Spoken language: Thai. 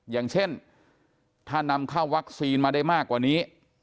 อย่างเช่นถ้านำเข้าวัคซีนมาได้มากกว่านี้